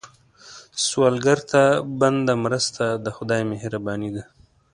سوالګر ته بنده مرسته، د خدای مهرباني ده